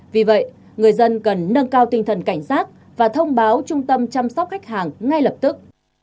vì vậy người dân cần nâng cao tinh thần cảnh giác và thông báo trung tâm chăm sóc khách hàng ngay lập tức